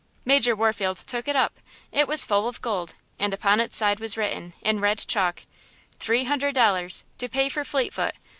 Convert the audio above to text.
Major Warfield took it up; it was full of gold, and upon its side was written, in red chalk: "Three hundred dollars, to pay for Fleetfoot.